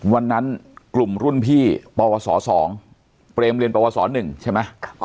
วันนั้นกลุ่มรุ่นพี่ปวส๒เปรมเรียนปวส๑ใช่ไหม